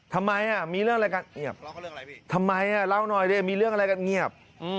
ทำไมมีเรื่องอะไรกันเงียบทำไมเล่าหน่อยดิมีเรื่องอะไรกันเงียบ